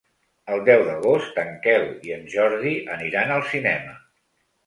El deu d'agost en Quel i en Jordi aniran al cinema.